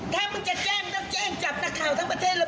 ถ้ามึงจะแจ้งต้องแจ้งจับนักข่าวทั้งประเทศเลย